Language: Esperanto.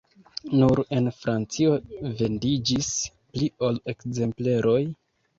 Nur en Francio vendiĝis pli ol ekzempleroj.